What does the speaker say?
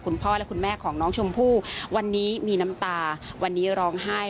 คุณพ่อและคุณแม่ของน้องชมพู่วันนี้มีน้ำตาวันนี้ร้องไห้